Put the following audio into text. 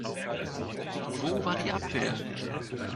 Wo war die Abwehr?